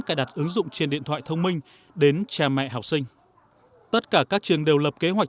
cài đặt ứng dụng trên điện thoại thông minh đến cha mẹ học sinh tất cả các trường đều lập kế hoạch